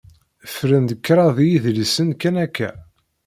Fren-d kraḍ yedlisen kan akka.